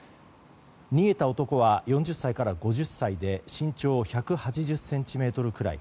逃げた男は４０歳から５０歳で身長１８０ｃｍくらい。